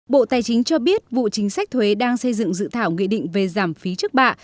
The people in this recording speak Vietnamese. bộ tài chính cho biết vụ chính sách thuế đang xây dựng dự thảo nghị định về giảm phí trước bạ